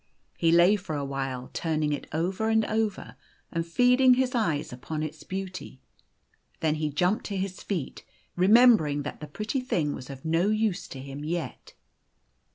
He lay for a while, turning it over and over, and feeding his eyes upon its beauty. Then he jumped to his feet, remembering that the pretty thing was of no use to him yet.